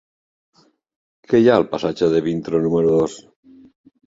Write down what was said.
Què hi ha al passatge de Vintró número dos?